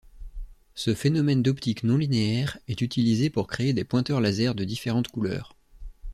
Ce phénomène d'optique non-linéaire est utilisé pour créer des pointeurs laser de différentes couleurs.